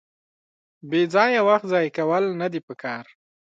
بېځایه وخت ځایه کول ندي پکار.